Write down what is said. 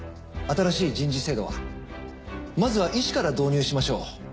新しい人事制度はまずは医師から導入しましょう。